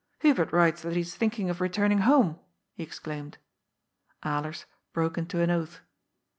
" Hubert writes that he is thinking of returning home I ^ he exclaimed. Alers broke into an oath.